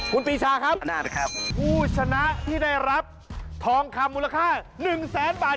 คุณปีชาครับคุณอาจารย์ครับผู้ชนะที่ได้รับทองคำมูลค่า๑๐๐๐๐๐บาท